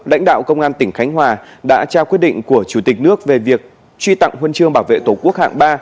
lãnh đạo công an tỉnh khánh hòa đã trao quyết định của chủ tịch nước về việc truy tặng huân chương bảo vệ tổ quốc hạng ba